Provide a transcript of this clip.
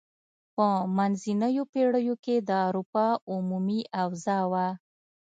په منځنیو پیړیو کې د اروپا عمومي اوضاع وه.